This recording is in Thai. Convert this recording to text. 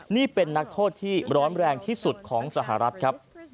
นี่เป็นนักโทษที่ร้อนแรงที่สุดของสหรัฐครับ